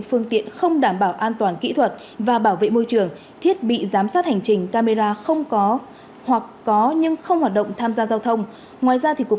phương tiện không đảm bảo an toàn kỹ thuật và bảo vệ môi trường thiết bị giám sát hành trình